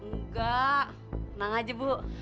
nggak tenang aja bu